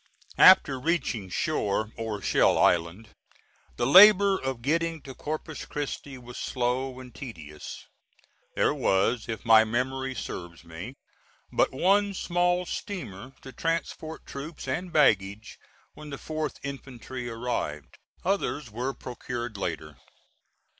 After reaching shore, or Shell Island, the labor of getting to Corpus Christi was slow and tedious. There was, if my memory serves me, but one small steamer to transport troops and baggage when the 4th infantry arrived. Others were procured later.